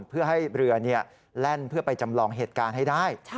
เพื่อให้เรือแล่นเพื่อไปจำลองเหตุการณ์ให้ได้